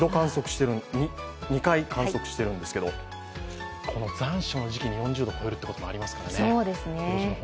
２回観測しているんですけど、この残暑の時期に４０度超えるってこともありますからね。